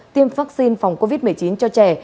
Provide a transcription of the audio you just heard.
tiêm vaccine phòng covid một mươi chín cho trẻ